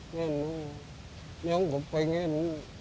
ngenu yang kepengen